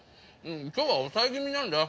今日は抑え気味なんだ。